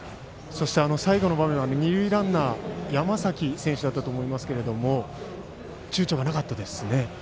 最後の場面、二塁ランナー山崎選手だったかと思いますけれどもちゅうちょがなかったですね。